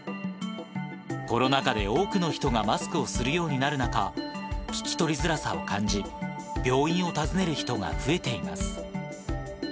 コロナ禍で多くの人がマスクをするようになる中、聞き取りづらさを感じ、病院を訪ねる人が増えています。